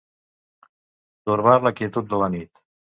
Torbar la quietud de la nit.